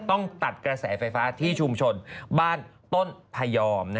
ต้องตัดกระแสไฟฟ้าที่ชุมชนบ้านต้นพยอม